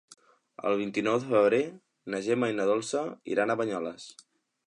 El vint-i-nou de febrer na Gemma i na Dolça iran a Banyoles.